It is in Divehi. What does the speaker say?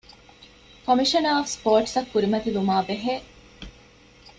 ކޮމިޝަނަރ އޮފް ސްޕޯޓްސްއަށް ކުރިމަތިލުމާ ބެހޭ